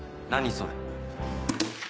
それ。